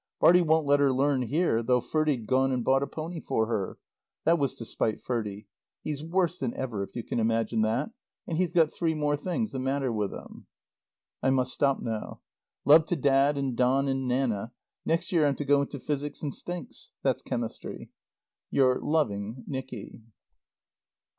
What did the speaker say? Bartie won't let her learn here, though Ferdie'd gone and bought a pony for her. That was to spite Ferdie. He's worse than ever, if you can imagine that, and he's got three more things the matter with him. I must stop now. Love to Dad and Don and Nanna. Next year I'm to go into physics and stinks that's chemistry. Your loving NICKY.